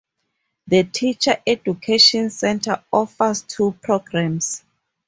The Teacher Education center offers two programs.